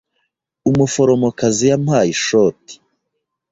Umuforomokazi yampaye ishoti.